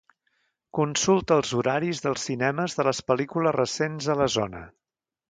Consulta els horaris dels cinemes de les pel·lícules recents a la zona.